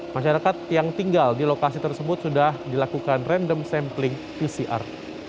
masyarakat yang tinggal di lokasi tersebut sudah dilakukan random sampling pcr